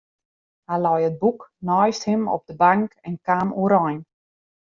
Hy lei it boek neist him op de bank en kaam oerein.